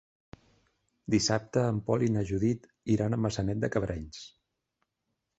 Dissabte en Pol i na Judit iran a Maçanet de Cabrenys.